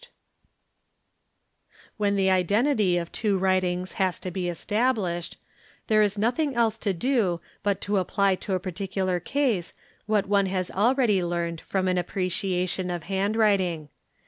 ld When the identity of two writings has to be established, there nothing else to do but to apply to a particular case what one has a ott learned from an appreciation of handwriting.